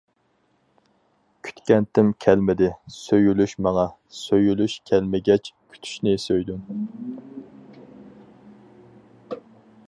كۈتكەنتىم كەلمىدى سۆيۈلۈش ماڭا، سۆيۈلۈش كەلمىگەچ كۈتۈشنى سۆيدۈم.